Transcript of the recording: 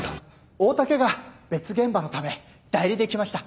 大竹が別現場のため代理で来ました